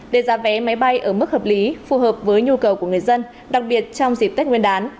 để giá vé máy bay ở mức hợp lý phù hợp với nhu cầu của người dân đặc biệt trong dịp tết nguyên đán